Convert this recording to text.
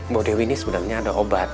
mbo dewi ini sebenarnya ada obat